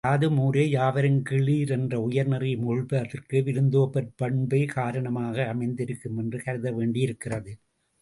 யாதும் ஊரே யாவரும் கேளிர் என்ற உயர் நெறி முகிழ்ப்பதற்கு விருந்தோம்பும் பண்பே காரணமாக அமைந்திருக்கும் என்று கருதவேண்டியிருக்கிறது.